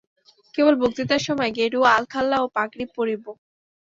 কেবল, বক্তৃতার সময় গেরুয়া আলখাল্লা ও পাগড়ি পরিব।